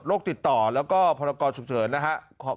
ติดต่อแล้วก็พรกรฉุกเฉินนะครับ